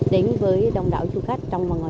đến với đông đảo du khách